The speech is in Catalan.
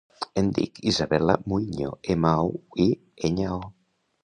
Em dic Isabella Muiño: ema, u, i, enya, o.